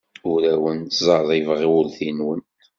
Ur awen-d-ttẓerribeɣ urti-nwen.